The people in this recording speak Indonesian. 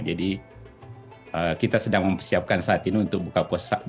jadi kita sedang mempersiapkan saat ini untuk buka puasa bersama